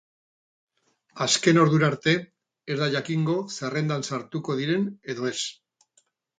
Azken ordura arte ez da jakingo zerrendan sartuko diren edo ez.